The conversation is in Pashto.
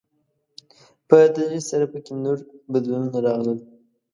په تدريج سره په کې نور بدلونونه راغلل.